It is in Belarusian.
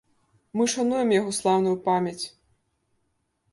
Мы шануем яго слаўную памяць.